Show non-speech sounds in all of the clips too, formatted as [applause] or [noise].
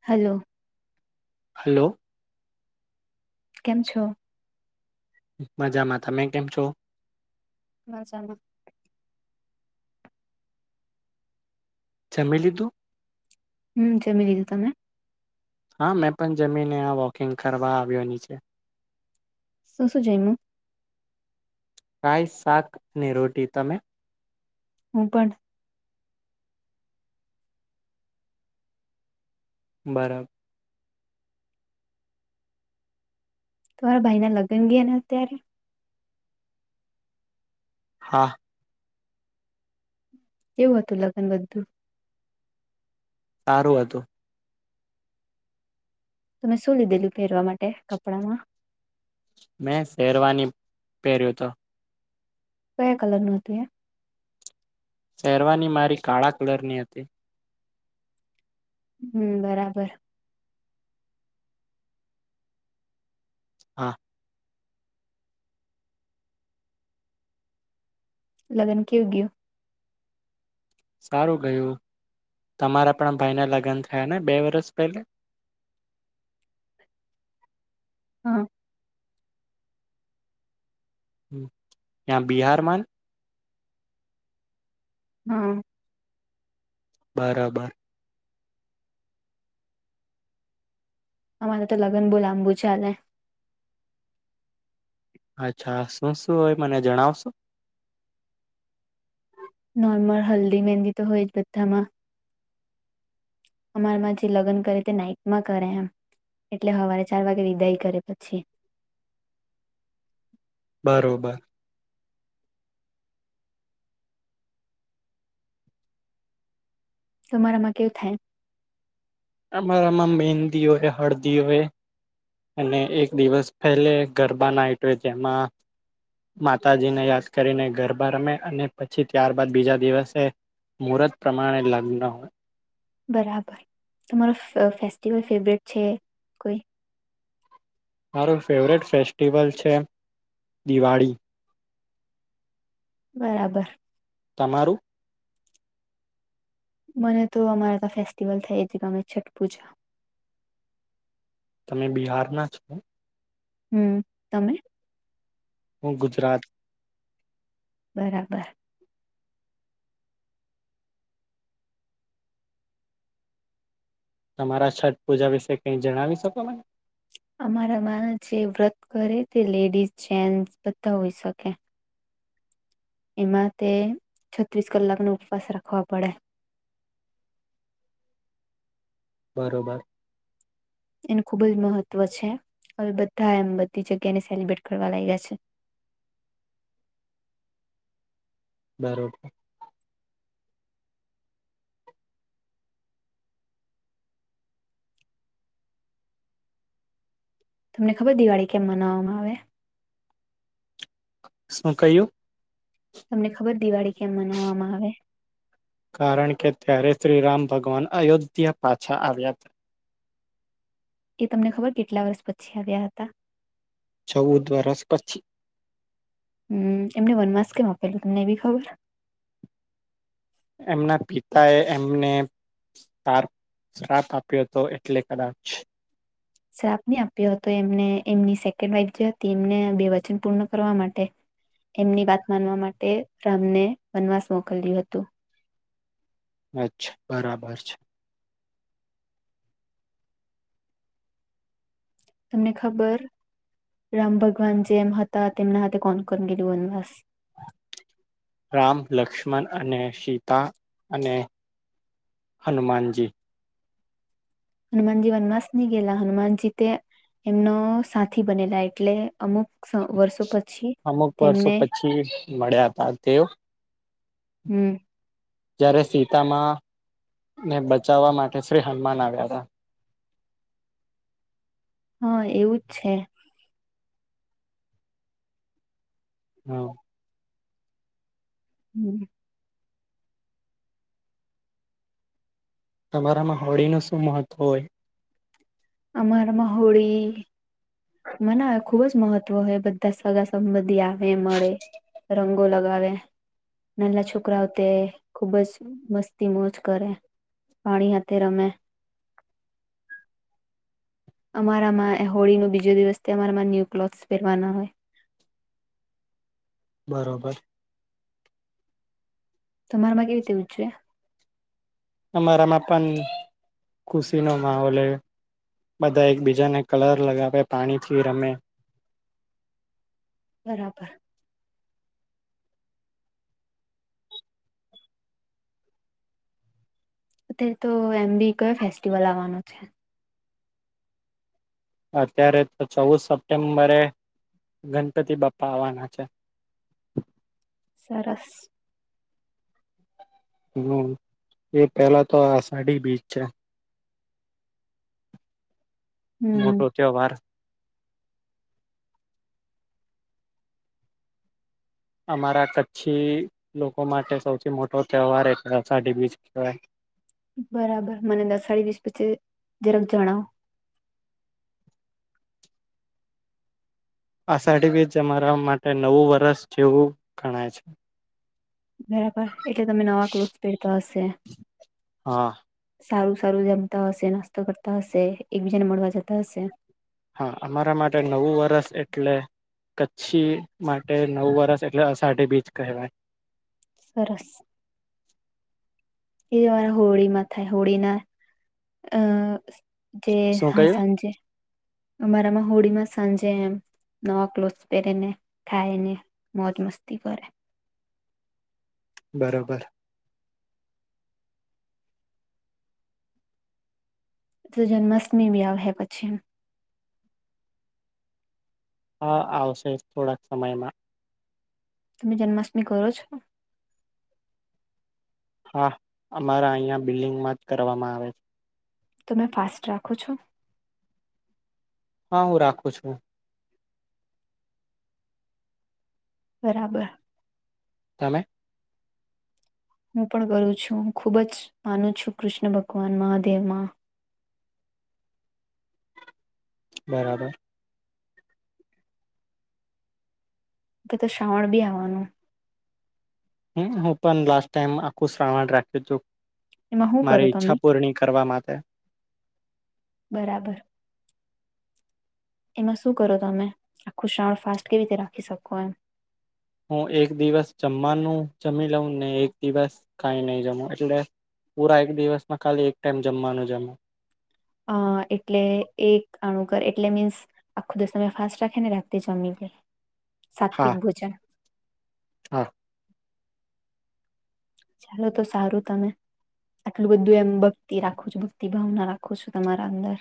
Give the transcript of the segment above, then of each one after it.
Hello hello કેમ છો મજામાં તમે કેમ છો મજામાં જમી લીધું હમ જમી લીધું તમે હા મેં પણ જમીને આ વોકિંગ કરવા આવ્યોનીચે શુંસું જયમુ રાઈસ શાક અને રોટી તમે હું પણ બરાબ તમારા ભાઈના લગ્ન ગયા ને અત્યારે હા કેવું હતું લગ્ન બધું સારું હતું તમે શું લીધેલું પહેરવા માટે કપડામાં મેં શેરવાની પહેર્યું તો કયા કલર ન હતું એ શહેરવાની મારી કાળા કલરની હતી હમ બરાબર હા લગ્ન કેવું ગ્યું સારુ ગયો તમારા પણ ભાઈને લગ્ન થયા ને બે વરષ પહેલે [unintelligible] હા હ બિહારમાં હા બરાબર અમારે તો લગ્ન બહુ લાંબુ ચાલે અચ્છા શું શું હોય મને જણાવશો નોર્મલ હલ્દી મેંદી તો હોય જ બધામાં અમારામાં જે લગ્ન કરે તે નાઈટમાં કરે એમ એટલે સવારે ચાર વાગે દઈ કરે પછી બરોબર તમારામાં કેવું થાય અમારામાં મહંદી હોય હળદી હોય અને એક દિવસ પહેલે ગરબા નાઈટ જેમાં માતાજીને યાદ કરીને ગરબા રમે અને પછી ત્યારબાદ બીજા દિવસે મુહૂર્ત પ્રમાણે લગ્ન હોય બરાબર તમારો ફેસ્ટિવલ ફેવરેટ છે કોઈ મારું ફેવરેટ ફેસ્ટિવલ છે દિવાળી બરાબર તમારું મને તો અમારે ત્યાં ફેસ્ટિવલ થાય છે ગમે છઠ પૂજા તમે બિહાર ના છો હમ તમે હું ગુજરાત બરાબર તમારા છઠ પૂજા વિશે કઈ જણાવી શકો મને અમારામાં જે વ્રત કરે તે લેડીસ જેન્ટસ બધા હોય શકે એમાં તે છત્રીસ કલાકનોો ઉપવાસ રાખવ પડે બરોબર એનું ખુબ જ મહત્વ છે હવે બધા એમ બધી જગ્યાને સેલિબ્રેટ કરવા લાગ્યા છે બરોબર તમને ખબર દિવાળી કેમ મનાવામાં આવે શું કયું તમને ખબર દિવાળી કેમ મનાવવામાં આવે કારણ કે ત્યારે શ્રીરામ ભગવાન અયોધ્યા પાછા આવ્યા હતા એ તમને ખબર કેટલા વર્ષ પછી આવ્યા હતા ચૌદ વરષ પછી હમ એમને વન માસ કેમ આપેલું તમને એ બી ખબર એમના પિતા એ એમને તાર શ્રાપ આપ્યો હતો એટલે કદાચ શ્રપ ન આપ્યો હતો એમને એમની સેકન્ડ વાઇફ જે હતી એમને બે વચન પૂર્ણ કરવા માટે એમની વાત માનવા માટે રામને વનવાસ મોકલ્યું હતું અચ્છા બરાબર છે તમને ખબર રામ ભગવાન જેમ હતા તેમના હાથે કોનકગે વનવાસ રામ લક્ષ્મણ અને સીતા અને હનુમાનજી હનુમાનજી વનવાસ ની ગયેલા હનુમાનજી તે એમનો સાથી બનેલા એટલે અમુક વર્ષો પછી અમુક વર્ષો તેમને પછી મળ્યા હતા તેઓ હમ જ્યારે સીતામા ને બચાવવા માટે શ્રી હનુમાન આવ્યા હતા હા એવુંજ છે હા હમ તમારામાં હોળી ન શું મહત્વ હોય અમાર માહડીી મના હ ખુબ જ મહત્વ હોય બધા સગા સંબંધી આવે મળે રંગો લગાવે. નાના છોકરાઓ તે ખુબ જ મસ્તી-મોજ કરે. પાણી હાથે રમે. [unintelligible] અમારામાં હોળી ના બીજો દિવસે અમારામાં ન્યુક્લોથ પહેરવાના હોય. બરોબર. તમારામાં કેવી રીતે વહીચે? અમારામાં પણ ખુશી નો માહોલ. બધા એકબીજાને કલર લગાવે, પાણીથી રમે. બરાબર. અત્યારે તો એમ બી કયો ફેસ્ટિવલ આવવાનો છે? અત્યારે તો ચૌવીદ સપ્ટેમ્બરે ગણપતિ બાપા આવવાના છે. [unintelligible] સરસ. હમ, એ પેલા તો આષાઢી બીચ છે. મોટો હમ તહેવાર. અમારા કચ્છી લોકો માટે સૌથી મોટો તહેવાર એ અષાઢી બીજ કહેવાય. બરાબર, મને દસઢી વિશે પછી જરાક જણાવો. આ અષાઢી બીજ તમારા માટે નવું વર્ષ જેવું ગણાય છે. બરાબર, એટલે તમે નવા ક્લોથ પહેરતા હશે. હા સારું, સારું, જમતા હશે, નાસ્તો કરતા હશે, એકબીજા ને મળવા જતા હશે. હા, અમારા માટે નવું વર્ષ એટલે કચ્છી માટે નવુ વર્ષ એટલે અષાઢી બીચ કહેવાય. સરસ. એ અરા હોળીમાં થાય હોળીના અ. જે શું હા, કહ્યું? સાંજે અમારામાં હોળીમાં સાંજે એમ. નવા કલોસ પહેરેને, ખાઈ ને, મોજ-મસ્તી કરે. બરોબર. તો જન્માષ્ટમી ભી આવશે પછી. હા, આવશે થોડાક સમયમાં. તમે જન્માષ્ટમી કરો છો? હા, અમારા અહીં બિલ્ડિંગમાં જ કરવામાં આવે છે. તમે ફાસ્ટ રાખો છો? હા, હું રાખું છું. બરાબર. તમે? હું પણ કરું છું, હું ખૂબ જ માનું છું, કૃષ્ણ ભગવાન, મહાદેવમાં. [unintelligible] બરાબર. કે તો શ્રાવણ બી આવવાનું. હું પણ લાસ્ટ ટાઈમ આખું શ્રાવણ રાખ્યું હતું. એમાં શું મારી કરો તમે ઈચ્છા પૂર્ણી કરવા માટે. બરાબર. એમાં શું કરો? તમે આખું શ્રાવણ ફાસ્ટ કેવી રીતે રાખી શકો, એમ? હું એક દિવસ જમવાનું જમી લઉં ને, એક દિવસ કઈ નહીં જમું, એટલે. પૂરા એક દિવસમાં ખાલી એક ટાઈમ જમવાનું જમું. અ, એટલે એક તાણુ કરે, એટલે મીન્સ આખું દિવસ તમે ફાસ્ટ રાખે ને, રાત્રે જમી લે. [unintelligible] સાત્વિક ભોજન. હા. ચાલો, તો સારું તમે આટલું બધું એમ ભક્તિ રાખું છું, ભક્તિ ભાવના રાખું છું તમારા અંદર.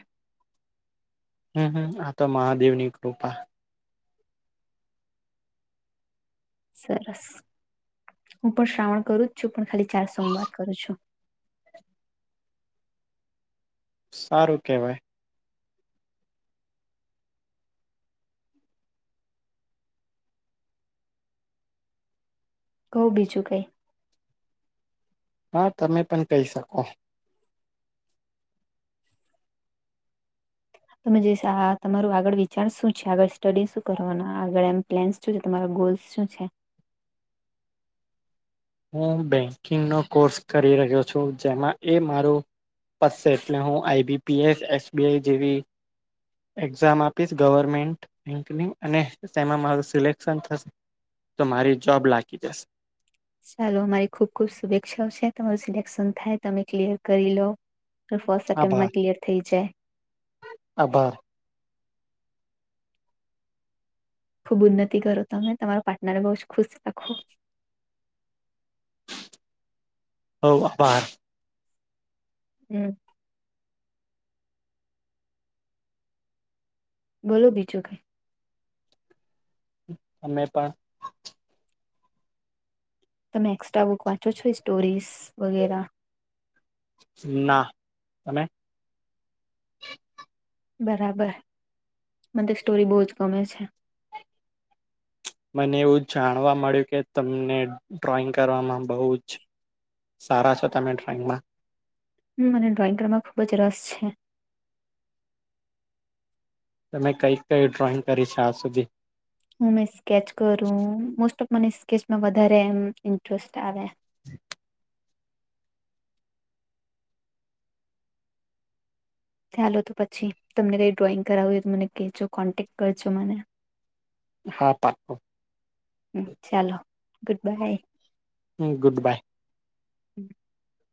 હમ હમ, આ તો મહાદેવની કૃપા. સરસ. હું પણ શ્રાવણ કરું છું, પણ ખાલી ચાર સોમવાર કરું છું. [unintelligible] સારું કહેવાય. કઉ બીજું કંઈ? હા, તમે પણ કહી શકો. તમે જ આ, તમારું આગળ વિચાર શું છે? આગળ સ્ટડી શું કરવાના? આગળ એમ પ્લાન શું છે તમારો? ગોલ શું છે? [unintelligible] હું બેંકિંગનો કોર્સ કરી રહ્યો છું, જેમાં એ મારો પસશે એટલે હું આઈબીપીએસ, એસબીઆઈ જેવી એક્ઝામ આપીશ, ગવર્મેન્ટ રેન્કની, અને તેમાં મારું સિલેક્શન થશે. તો મારી જોબ લાગી જશે ચાલો મારી ખુબ ખુબ શુભેચ્છાઓ છે તમારું સિલેક્શન થાય તમે ક્લિયર કરી લો ફર્સ્ટ આભાર સપ્ટેમ્પમાં ક્લિયર થઈ જાય આભાર ખુબ ઉન્તિ કરો તમે તમારા પાર્ટનર બહ જ ખુશ રાખો હવ આભાર હમ બોલો બીજું કઈ અમે પણ તમે એક્સ્ટ્રા બુક વાંચો છો સ્ટોરીઝ વગેરા ના તમે બરાબર મને સ્ટોરી બહુ જ ગમે છે મને એવું જાણવા મળ્યું કે તમને ડ્રોઈંગ કરવામાં બહુ જ સારા છો તમે ડ્રોઈંગમાં હમ મને ડ્રોઈંગ કરવા ખૂબ જ રસ છે તમે કઈ કઈ ડ્રોઈંગ કરી છે આ સુધી હું મે સ્કેચ કરું મોસ્ટ ઓફ મને સ્કેચમાં વધારે એમ ઇન્ટરેસ્ટ આવે [inaudible] ચાલો તો પછી તમને કઈ ડ્રોઈંગ કરાવવું હોય તો મને કહેજો કોન્ટેક કરજો મને હા પાકકો હમ, ચાલો ગુડ બાય હમ ગુડ બાય [inaudible]